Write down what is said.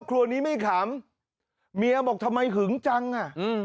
ครัวนี้ไม่ขำเมียบอกทำไมหึงจังอ่ะอืม